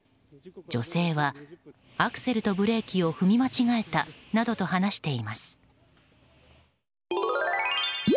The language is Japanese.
女性は、アクセルとブレーキを踏み間違えたなどと話しています。